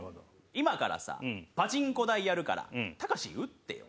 今からさパチンコ台やるから隆打ってよ。